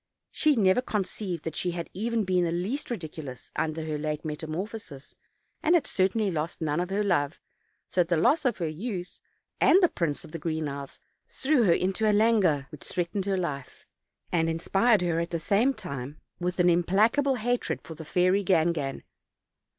She never conceived that she had been in the least ridicu lous under her late metamorphosis, and had certainly lost none of her love, so that the loss of her youth, and of the Prince of the Green Isles, threw her into a languor which threatened her life, and inspired her at the same time with an implacable hatred for the fairy Gangan.